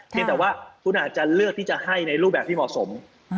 แต่ว่าคุณอาจจะเลือกที่จะให้ในรูปแบบที่เหมาะสม